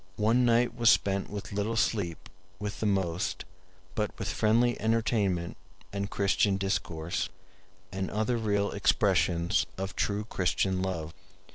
One night was spent with little sleep with the most, but with friendly entertainment and Christian discourse, and other real expressions of true Christian love.